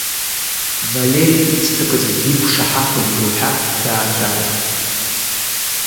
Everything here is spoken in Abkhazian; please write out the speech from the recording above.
Валери, ицҭакыз диқәшаҳаҭын уҳәартә, даацәажәахт.